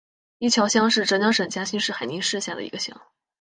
伊桥乡是浙江省嘉兴市海宁市下的一个乡。